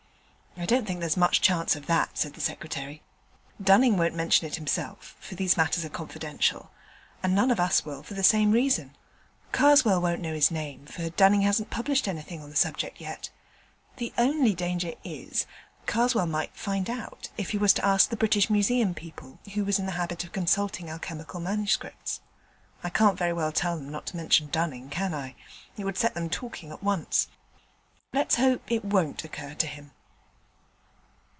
'I don't think there's much chance of that,' said the Secretary. 'Dunning won't mention it himself, for these matters are confidential, and none of us will for the same reason. Karswell won't know his name, for Dunning hasn't published anything on the same subject yet. The only danger is that Karswell might find out, if he was to ask the British Museum people who was in the habit of consulting alchemical manuscripts: I can't very well tell them not to mention Dunning, can I? It would set them talking at once. Let's hope it won't occur to him.'